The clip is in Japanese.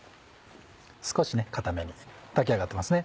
少し硬めに炊き上がってますね。